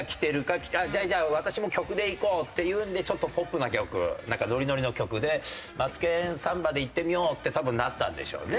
じゃあ私も曲でいこうっていうのでちょっとポップな曲なんかノリノリの曲で『マツケンサンバ』でいってみようって多分なったんでしょうね